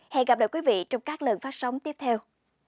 hẹn gặp lại quý vị trong các lần phát sóng tiếp theo